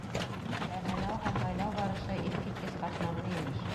Ә һынау һәм һайлау барышы иҫ киткес ҡатмарлы, имеш.